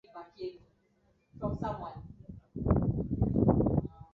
Kuna Bahari ya Menai ya Zanzibar na flora na fauna zake za kushangaza